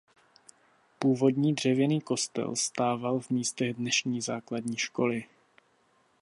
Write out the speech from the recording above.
Původní dřevěný kostel stával v místech dnešní základní školy.